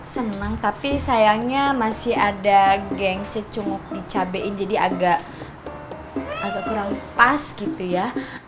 senang tapi sayangnya masih ada geng cecung dicabein jadi agak kurang pas gitu ya